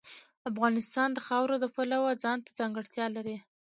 افغانستان د خاوره د پلوه ځانته ځانګړتیا لري.